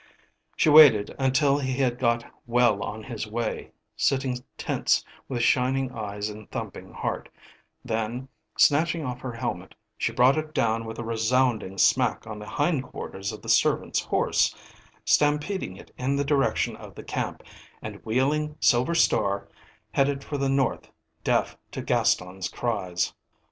She waited until he had got well on his way, sitting tense with shining eyes and thumping heart, then, snatching off her helmet, she brought it down with a resounding smack on the hindquarters of the servant's horse, stampeding it in the direction of the camp, and, wheeling Silver Star, headed for the north, deaf to Gaston's cries.